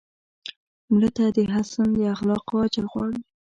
مړه ته د حسن اخلاقو اجر غواړو